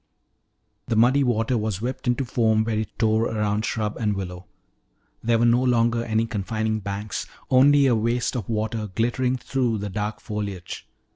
The muddy water was whipped into foam where it tore around shrub and willow. There were no longer any confining banks, only a waste of water glittering through the dark foliage.